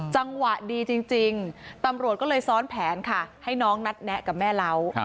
จังหวะดีจริงตำรวจก็เลยซ้อนแผนค่ะให้น้องนัดแนะกับแม่เรา